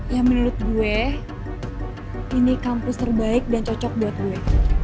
ya menurut gue ini kampus terbaik dan cocok buat gue